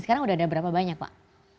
sekarang sudah ada berapa banyak pak